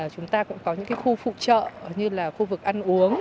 chúng ta cũng có những khu phụ trợ như là khu vực ăn uống